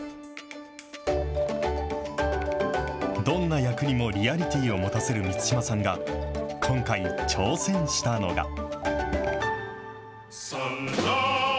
どんな役にもリアリティーを持たせる満島さんが、今回、挑戦したのが。